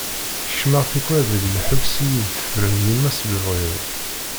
Keččmeɣ tikwal deg lḥebs iyi-d-tefren yemma s lebɣi-w.